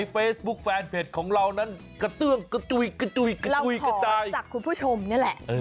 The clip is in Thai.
เราขอจากคุณผู้ชมนี่แหละ